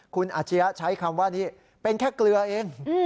คุณอาชียะใช้คำว่านี้เป็นแค่เกลือเอง